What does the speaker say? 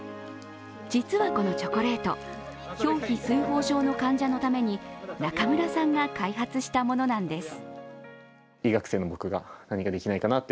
実はこのチョコレート、表皮水ほう症の患者のために中村さんが開発したものなんです。